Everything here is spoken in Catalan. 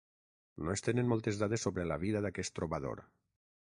No es tenen moltes dades sobre la vida d'aquest trobador.